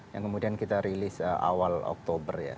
yang kemudian kita rilis awal oktober ya